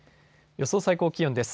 予想最高気温です。